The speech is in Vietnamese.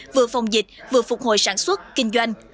vừa phòng dịch vừa phục hồi sản xuất kinh doanh